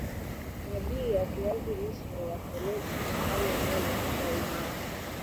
madii ya viazi lishe ya foleti hufanya meno kuwa imara